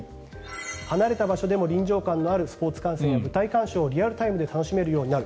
離れた場所でも臨場感のあるスポーツ観戦や舞台鑑賞をリアルタイムで楽しめるようになる